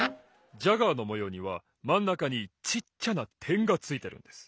ジャガーのもようにはまんなかにちっちゃなてんがついてるんです！